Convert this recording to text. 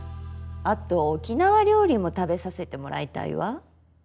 あと沖縄料理も食べさせてもらいたいわ。